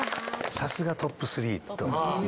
さすがトップ３と。